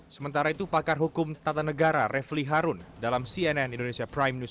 sementara itu pakar hukum tata negara refli harun dalam cnn indonesia prime news